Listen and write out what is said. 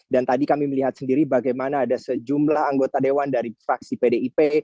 dan tadi kami melihat sendiri bagaimana ada sejumlah anggota dewan dari fraksi pdip